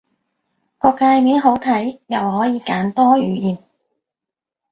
個介面好睇，又可以揀多語言